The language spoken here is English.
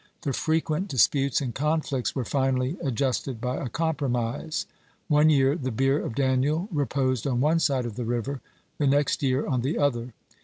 The frequent disputes and conflicts were finally adjusted by a compromise; one year the bier of Daniel reposed on one side of the river, the next year on the other.